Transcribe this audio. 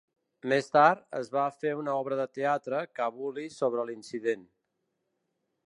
Més tard, es va fer una obra de teatre kabuki sobre l'incident.